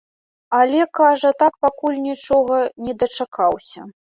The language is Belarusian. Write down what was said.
Але, кажа, так пакуль нічога не дачакаўся.